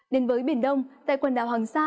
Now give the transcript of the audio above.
đến với biển đông tại quần đảo hàng sa